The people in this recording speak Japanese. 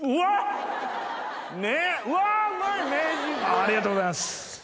ありがとうございます！